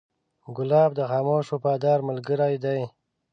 ګلاب د خاموش وفادار ملګری دی.